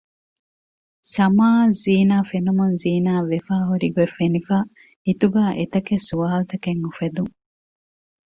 ސަމާއަށް ޒިނާފެނުމުން ޒީނާއަށް ވެފައި ހުރިގޮތް ފެނިފައި ހިތުގައި އެތަކެއް ސްވާލުތަކެއް އުފެދުން